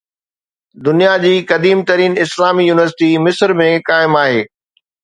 دنيا جي قديم ترين اسلامي يونيورسٽي مصر ۾ قائم آهي